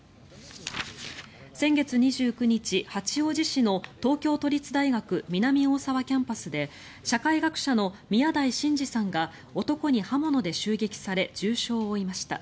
先月２９日、八王子市の東京都立大学南大沢キャンパスで社会学者の宮台真司さんが男に刃物で襲撃され重傷を負いました。